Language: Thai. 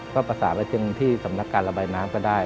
ก็ประสานไปจึงที่สำนักการระบายน้ำก็ได้